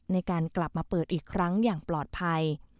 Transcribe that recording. ในการกลับมาเปิดอีกครั้งอย่างปลอดภัย